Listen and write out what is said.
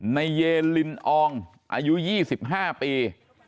เยนลินอองอายุ๒๕ปี